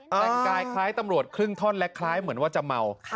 แต่งกายคล้ายตำรวจครึ่งท่อนและคล้ายเหมือนว่าจะเมา